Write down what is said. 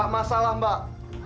gak masalah mbak